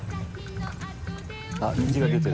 あっ虹が出てる。